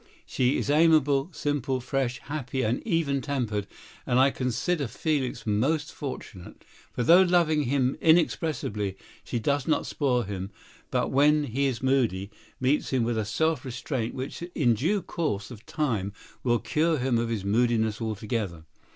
"She is amiable, simple, fresh, happy and even tempered, and I consider Felix most fortunate. For though loving him inexpressibly, she does not spoil him, but when he is moody, meets him with a self restraint which in due course of time will cure him of his moodiness altogether.